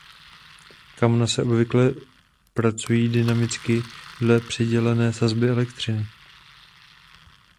Kamna se obvykle pracují dynamicky dle přidělené sazby elektřiny.